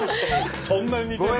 そんなに似てるんだ。